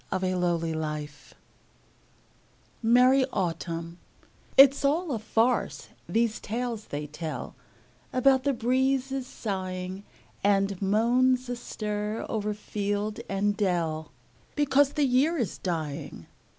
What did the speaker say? Paul Laurence Dunbar Merry Autumn IT'S all a farce, these tales they tell About the breezes sighing, And moans astir o'er field and dell, Because the year is dying.